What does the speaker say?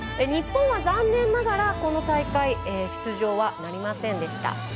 日本は残念ながらこの大会出場はなりませんでした。